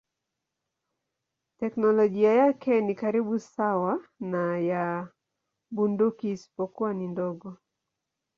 Teknolojia yake ni karibu sawa na ya bunduki isipokuwa ni ndogo.